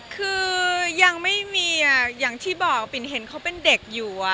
คือยังไม่มีอย่างที่บอกปิ่นเห็นเขาเป็นเด็กอยู่